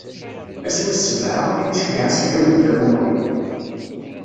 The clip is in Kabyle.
Ass wis sebɛa, Imceyyeɛ ad s-iɛiwed tamuɣli.